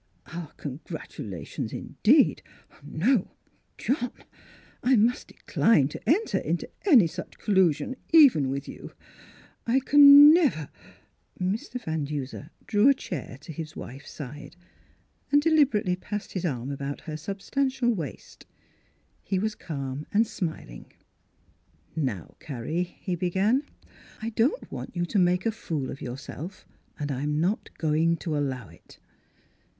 " Our congratulations, indeed ! No ; John. I must decline to enter into any such collusion, even with you. I can never —" Mr. Van Duser drew a chair to his wife's side, and deliberately passed his arm about her substantial waist. He was calm and smiling. " Now, Carrie," he began, " I don't want you to make a fool of yourself, and I'm not going to allow it."